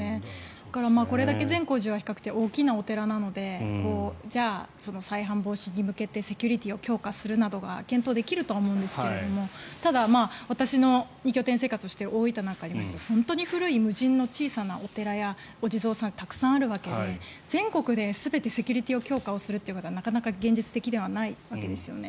だから、これだけ善光寺は比較的大きなお寺なのでじゃあ、再犯防止に向けてセキュリティーを強化するなどが検討できると思うんですけどもただ、私の２拠点生活をしている大分なんかに行きますと本当に古い無人の小さなお寺やお地蔵さん、たくさんあるわけで全国で全てセキュリティーを強化するのはなかなか現実的ではないわけですよね。